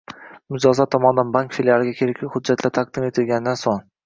Mijozlar tomonidan bank filialiga kerakli hujjatlar taqdim etilganidan so‘ng